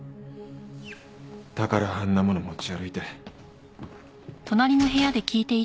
だからあんなものを持ち歩いて。